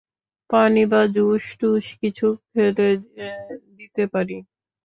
পানি বা জুস-টুস কিছু খেলে দিতে পারি?